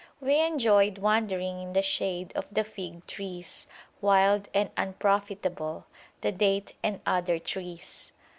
We enjoyed wandering in the shade of the fig trees, wild and unprofitable, the date and other trees.